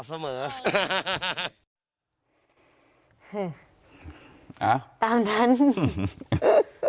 ปู่มหาหมุนีบอกว่าตัวเองอสูญที่นี้ไม่เป็นไรหรอก